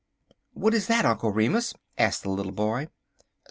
"What is that, Uncle Remus?" asked the little boy.